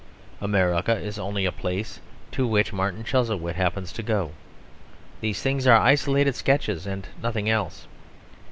America is only a place to which Martin Chuzzlewit happens to go. These things are isolated sketches, and nothing else.